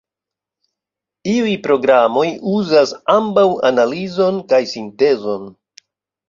Iuj programoj uzas ambaŭ analizon kaj sintezon.